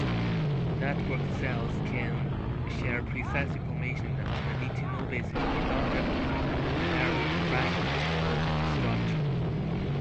Networked cells can share precise information on a need-to-know basis without a hierarchical structure.